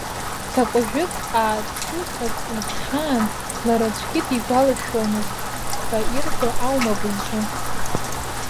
Ҭакәажәык аацуҭак лыгәхьаан, лара аӡәгьы дигәалашоомызт ҳәа ирҳәо аума бызҿу?